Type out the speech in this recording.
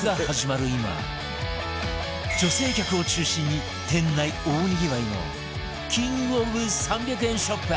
今女性客を中心に店内大にぎわいのキングオブ３００円ショップ